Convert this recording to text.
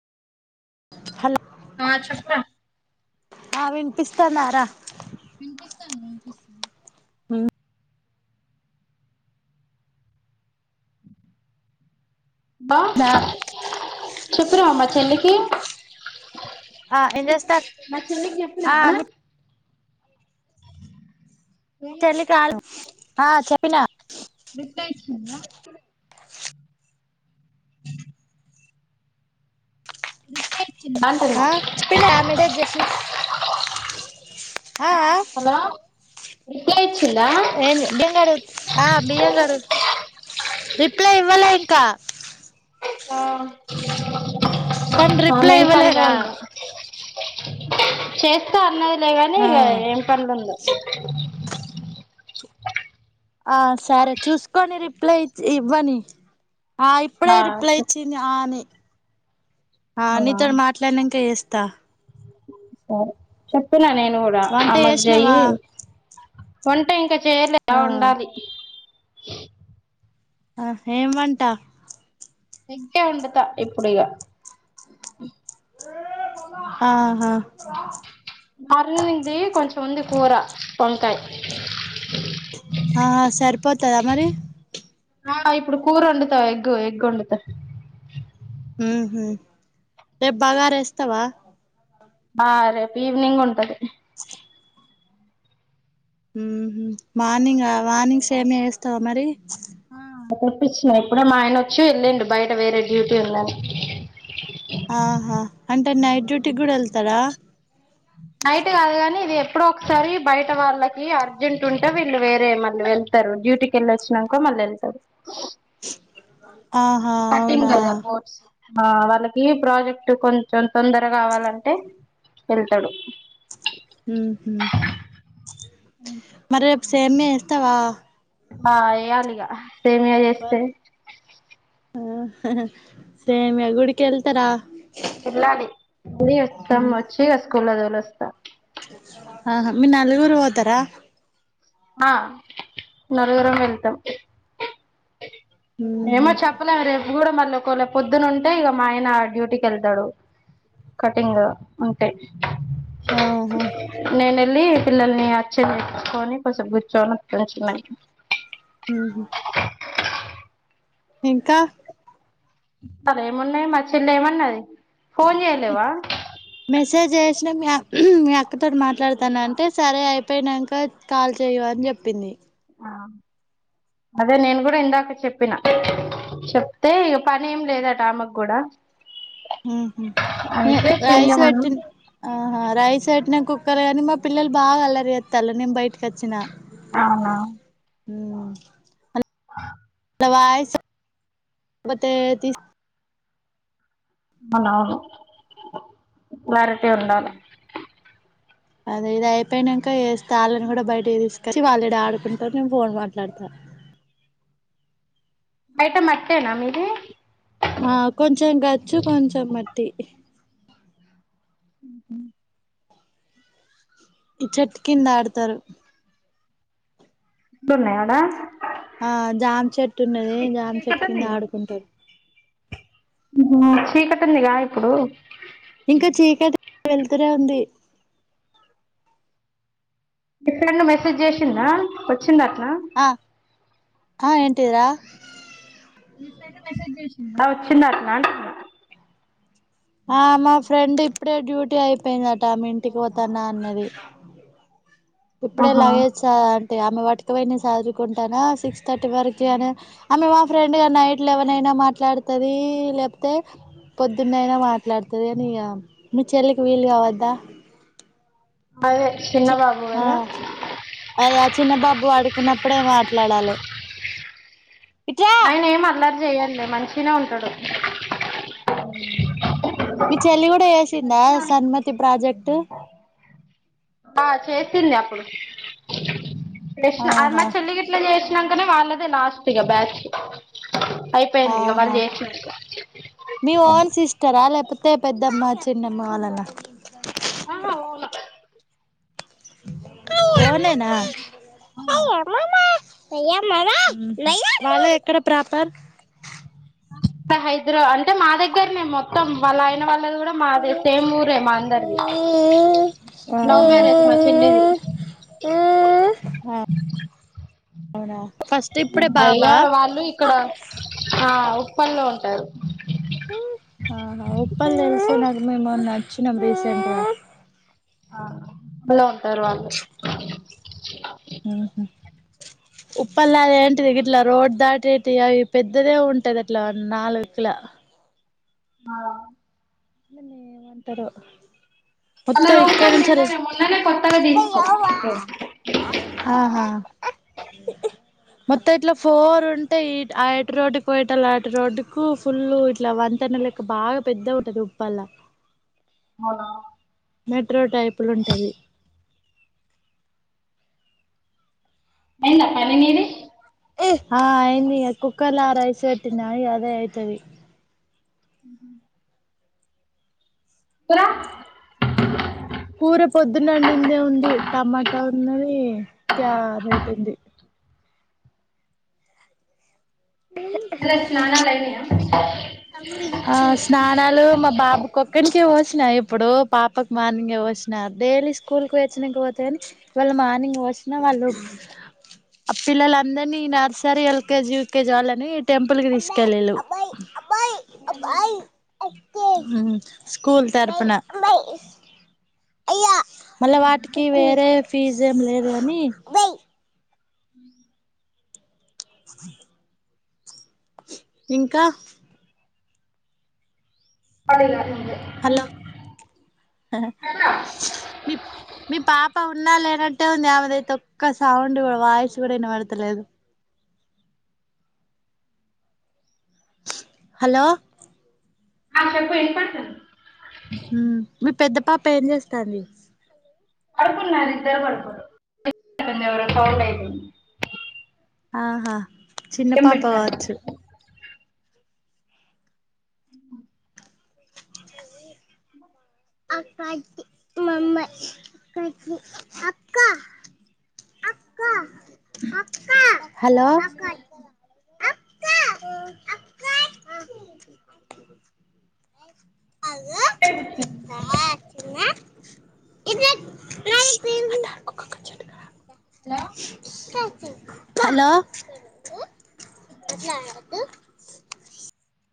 Hello కావా చెప్ప ఆ వినిపిస్తందరా వినిపిస్తాను వినిపిస్తాను బా దా చెప్పినావా మా చెల్లికి ఆ ఏం చేస్తారు మా చెల్లికి ఆ చెప్పిన్నవా మీ చేలి కాల్ ఆ చెప్పిన బిట్టా ఇచ్చింద యా ఆ చెప్పిన ఆమె డిలిట్ చేషిన ఆ హలో రిప్లై ఇచ్చిందా ఏంద బియ్యం అడుగు అ బియ్యం కడుగుతు రిప్లై ఇవ్వాల ఇంకా ఆ తను ఆ రిప్లై మేం పనిలో ఇవ్వలేరా ఉందో చేస్తా అన్నది లే కాని ఆ ఇక ఏం పన్లో ఉందో ఆ సరే చూసుకొని రిప్లై ఇవ్వని ఆ ఇప్పుడే రిప్లై ఇచ్చింది ఆనే ఆ అవునా నీతోడు మాట్లాడ్ నాకే ఇస్తా సరే చెప్ చెప్పినా నేను కూడా వంట ఆ మజ్యాయి చేసినవా వంటా ఇంకా చేలే అ ఆ ఉండాలి ఆ ఏమ్ వంటా ఇప్పుడే ఉండుతా ఇప్పుడు ఇగా అ ఆహా అరునది కొంచెం వుంది పోరా పంకాయ్ ఆ సరిపోతదా మరి ఆ ఇప్పుడు కూర వండుతా ఎక్కువ ఎక్కువ వండుతా ఉహుమ్ రేపు బాగార్ ఎస్తావా ఆ రేపు ఈవనింగ్ ఉంటది ఉహుమ్ మార్నింగ్ మార్నింగ్ సేమియా ఎస్తావా మరి ప్రపోజ్ చూపిచినయి ఇప్పుడ మా ఆయన వచ్చి వెళ్ళిండు బయట వేరే డ్యూటీ ఉందని ఆహా అంట టే నైట్ డ్యూటీ కూడా వెళ్తారా నైట్ కాదు కాని ఇది ఎప్పుడో ఒకసారి బయట వాళ్ళకి అర్జెంట్ ఉంటే వీళ్ళు వేరే మళ్ళీ వెళ్తారు డ్యూటీకి వెళ్ళొ వచ్చినాకో మళ్ళీ వెళ్తారు ఆహా కటింగ్ అవునా కదా బోట్స్ ఆ వాళ్ళకి ప్రాజెక్ట్ కొంచెం తొందర కావాలంటే వెళ్తాడు మ్మ్ హ్మ్ మరి సేమియా చేస్తావా ఆ వేయాలిగా సేమియ చేస్తే ఆ సేమియా గుడికి వెళ్తారా వెళ్ళాలి వచ్చి స్కూల్ది వెళ్ళి వాస్త ఆహ మీ నలుగురు పోతర ఆ నలుగురం వెళ్తాం ఏమో ఉహు చెప్పలేం అ కూడా మళ్ళీ ఒకవేళ పొద్దున ఉంటే ఇక మా ఆయన డ్యూటీకి వెళ్తాడు కటింగ్ ఉంటే ఆహా నేనే ళ్ పిల్లల్ని అచ్చర్ుకొని స బున్న కొంచి మ్మ్ హ్మ్ ఇంకా సలు ఏమున్నాయి మా చెల్లి ఏమన్నది ఫోన్ చేయలేవా మెసేజ్ చేసినా మీ మీ అక్కతోటి మాట్లాడతాను అంటే సరే అయిపోయినాక కాల్ చేయ అని చెప్పింది ఆ అదే నేను కూడా ఇందాక చెప్పిన చెప్తే ఇక పని ఏం లేదట ఆమకు కూడా అయితే రైస్ చెయ్యమను వటి ఆహై చట్ని కుక్కర్ కాని మా పిల్లలు బాగా అలరి చేస్తారు నేను బయటకి వచ్చినా అవునా మ్మ్ దవాయితే తీ అవునవునును క్లాారిటీ ఉండాలి అదే ఇది అయిపోయినాక తాళని కూడా బయట తీస్తారు క వాళ్ళెడ ఆడుకుంటారు నేను ఫోన్ మాట్లాడతా బయట అట్టేనా మీది ఆ కొంచెం గచ్చు కొంచెం మట్టి మ్మ్ హ్మ్ ఈ చెట్టు కింద ఆడతారు గుడ్లు ఉన్నాయా ఆడ ఆ జామి చెట్టు ఉన్నది జామి చెట్టు చీకటి కింద ఉందిగా ఆడుకుంటారు చీకటి ఉందిగా ఇప్పుడు ఇంకా చీకటి వెలుతురే ఉంది ఇప్పుడన్నా మెసేజ్ చేసింద వచ్చిందా అన్న ఆ ఆ ఏంటిరా ఆ వచ్చింది అన్న అంటున్న ఆ మా ఫ్రెండ్ ఇప్పుడే డ్యూటీ అయిపోయిందట ఆమె ఇంటికి పోతన్నా అన్నది ఇప్పుడే ఆహా ఇలాగే చ అంటే ఆమె వటుకపోయినా చదురుకుంటానా సిక్స్ థర్టీ వరకు అని ఆమె మా ఫ్రెండ్ గ నైట్ లెవెన్ అయినా మాట్లాడుతది లేపోతే పొద్దున్న అయినా మాట్లాడుతది అని ఇక మీ చెల్లికి వీలు కావద్దా అదే చిన్న చి బాబు ఆ కదా అదే ఆ చిన్న బాబు ఆడుకున్నప్పుడే మాట్లాడాలి ఆయన ఏం అట్లా అటు చేయడు మంచి తినే ఉంటాడు మీ చెల్లి కూడా చేసిందా సన్మతి ప్రాజెక్ట్ ఆ చేసింది అప్పుడు చేసినా మా ఆహా చెల్లి గీట్ల చే నంకనే వాళ్ళదే లాస్ట్ ఇగ బ్యాచ్ అయిపోయింది ఇగ వాళ్ళు చేసినంక మీ ఓన్ సిస్టరా లేక పోతే పెద్దమ్మ చిన్నమ్మ వాలన ఆహా ఓన్ ఓనే నా వాళ్ళా ఎక్కడ ప్రాపర్ హైదరాబద్ అంటే మా దగ్గరనే మొత్తం వాళ్ళ ఆయన వాళ్ళ అది కూడా మాదే సేమ్ ఊరే మా అందరిది ఆహా లవ్ మ్యారేజ్ మా చెల్లిది అవునా ఫస్ట్ ఇప్పుడే అయ్యా బాబా వాళ్ళు ఇక్కడ ఆ పనిలో ఉంటారు ఆ ఉప్పల్ తెలుసు నాకు మేము మొన్న వచ్చినం రీసెంట్ గా హలో తరువాత హ్మ్ ఉప్పల్లాది ఏంటిది ఇట్లా రోడ్డు దాటేటి అవి పెద్దదే ఉంటది అట్లా నాలుగు వైపులా ఆ [inaudible] అ ఇక్కడ నుంచి [unintelligible] మొన్ననే కొత్తగా తీసుకో రో ఆహా మొత్తం ఇట్లా ఫోర్ ఉంటేయి అటు రోడు పోయిట లాట రోడ్కు ఫుల్లు ఇట్లా వంతెన లెక్క బాగా పెద్దగుంటది. పల అవు మెట్రో టైపులుంటవి అయిందా పని నీది ఆ అయిందిగ కుక్కర్ల రైస్ పెట్టినా ఇగ అదే అయితది. కురా కూర పొద్దున వండిందే ఉంది. టమాటా ఉన్నది క్యారేట్ ఉంది. పిల్లల స్నానాలైనయా ఆ స్నానాలు మా బాబు కొక్కనికే పో న ఇప్పుడు పాపక్ మార్నింగే పోసిన డైలీ స్కూల్కు పోయి వచ్చినంక పోత్త గని ఇవాళ మార్నింగ్ పోసిన వాళ్ళు పిల్లలందర్నీ నర్సరీ, ఎల్కేజీ, యూకేజీ వాళ్ళని టెంపుల్కి తీస్కెళ్లిన్లు. స్కూల్ తర్పున మళ్ళ వాటికి వేరే ఫీజ్ ఏం లేదు గని అ ఇంకా పడల హలో మీ మీ పాప ఉన్నా లేరం ట్టే ఉంది ఆమెదయితే ఒక్క సౌండ్ వాయిస్ గుడా ఇనబడ్తలేదు. హలో ఆ చెప్పు ఏం పైసలు మీ పెద్ద పాప ఏం చేస్తాంది. పడుకున్నార్ ఇద్దరు పడుకున్రు ఆహా చిన్న పాప కావచ్చు. [inaudible] [inaudible] అక్కాకి మామ్మా అక్కకి అక్క అక్క అక్క హలో [unintelligible] అదే [unintelligible] ఇ ఒ హలో హలో ఎట్తే [unintelligible]